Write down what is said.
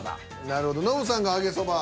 なるほどノブさんが揚げそば。